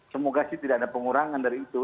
semoga sih tidak ada pengurangan dari itu